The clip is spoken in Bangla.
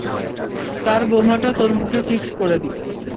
তার বোমাটা তোর মুখে ফিক্স করে দিব।